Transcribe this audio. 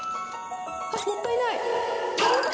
あっ、もったいない！